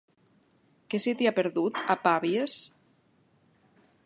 Què se t'hi ha perdut, a Pavies?